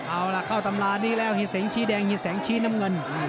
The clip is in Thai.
เอาล่ะเข้าตำรานี้แล้วเฮีแสงชี้แดงเฮีแสงชี้น้ำเงิน